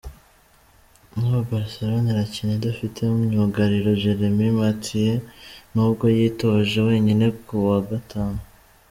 Nubu Barcelona irakina idafite myugariro Jérémy Mathieu nubwo yitoje wenyine kuwa Gatanu.